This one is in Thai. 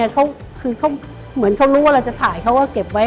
คือเขาเหมือนเขารู้ว่าเราจะถ่ายเขาก็เก็บไว้